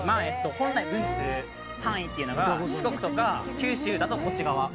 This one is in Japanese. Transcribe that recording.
本来分布する範囲っていうのが四国とか九州だとこっち側。